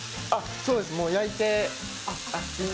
そうです、もう焼いて。